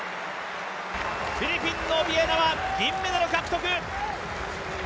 フィリピンのオビエナは銀メダル獲得。